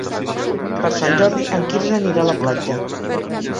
Per Sant Jordi en Quirze anirà a la platja.